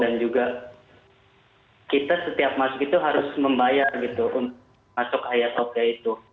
dan juga kita setiap masjid itu harus membayar gitu untuk masuk hagia sofia itu